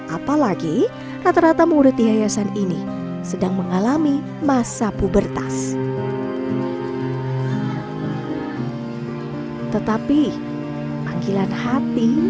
apalagi rata rata murid yayasan ini sedang mengalami masa pubertas tetapi panggilan hati